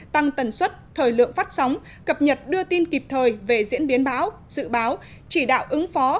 tăng tần suất thời lượng phát sóng cập nhật đưa tin kịp thời về diễn biến bão dự báo chỉ đạo ứng phó